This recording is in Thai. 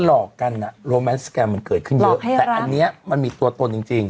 หลอกกันอ่ะมันเกิดขึ้นเยอะหลอกให้รักแต่อันเนี้ยมันมีตัวตนจริงจริง